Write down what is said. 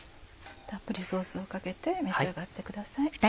たっぷりソースをかけて召し上がってください。